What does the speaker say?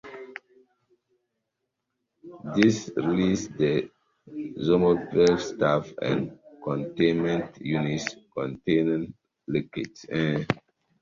This releases the zombified staff and containment units containing Lickers.